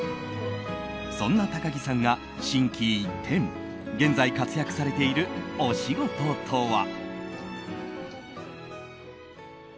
そんな高樹さんが心機一転現在活躍されているお仕事とは。